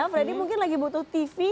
freddy mungkin lagi butuh tv